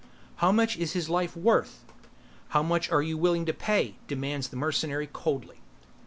"How much is his life worth?" "How much are you willing to pay?" demands the mercenary coldly.